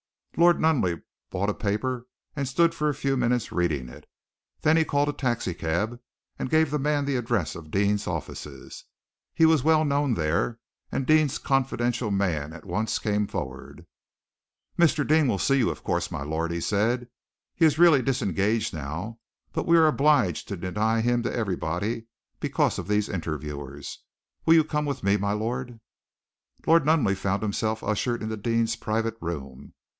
Lord Nunneley bought a paper, and stood for a few minutes reading it. Then he called a taxicab, and gave the man the address of Deane's offices. He was well known there, and Deane's confidential man at once came forward. "Mr. Deane will see you, of course, my lord," he said. "He is really disengaged now, but we are obliged to deny him to everybody because of these interviewers. Will you come with me, my lord?" Lord Nunneley found himself ushered into Deane's private room.